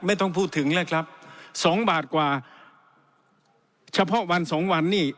ไม่ต้องพูดถึงเลยครับสองบาทกว่าเฉพาะวันสองวันนี้